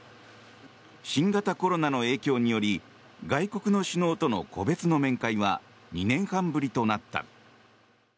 新型コロナの影響により外国の首脳との個別の面会は２年半ぶりとなった。